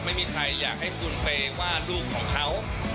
ไม่มีใครอยากให้คุณไปว่าลูกของเขา